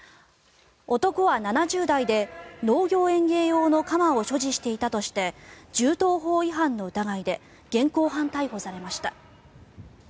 男は７０代で農業・園芸用の鎌を所持していたとして銃刀法違反の疑いで現行犯逮捕されました。